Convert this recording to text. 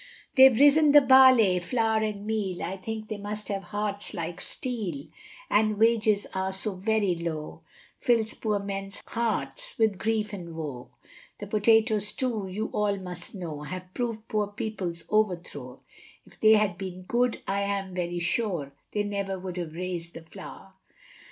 They've risen the barley, flour, and meal, I think they must have hearts like steel, And wages are so very low, Fills poor men's hearts with grief and woe; The potatoes too, you all must know, Have proved poor people's overthrow, If they had been good, I am very sure They never would have rais'd the flour.